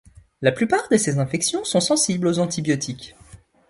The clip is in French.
La plupart de ces infections sont sensibles aux antibiotiques.